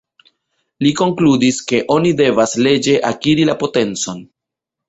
Li konkludis, ke oni devas leĝe akiri la potencon.